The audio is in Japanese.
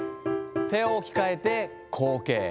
手を置き換えて後傾。